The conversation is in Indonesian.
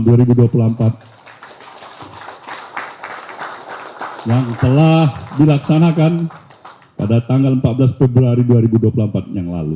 yang telah dilaksanakan pada tanggal empat belas februari dua ribu dua puluh empat yang lalu